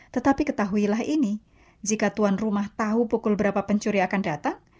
tetapi ketahuilah ini jika tuhan rumah tahu pukul berapa pencuri akan datang